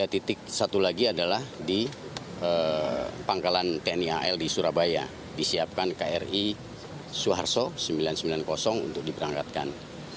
tiga titik satu lagi adalah di pangkalan tni al di surabaya disiapkan kri suharto sembilan ratus sembilan puluh untuk diberangkatkan